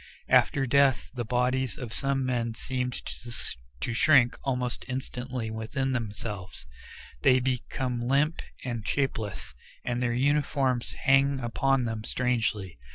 After death the bodies of some men seem to shrink almost instantly within themselves; they become limp and shapeless, and their uniforms hang upon them strangely.